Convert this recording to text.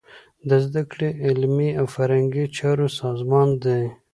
د زده کړې، علمي او فرهنګي چارو سازمان دی.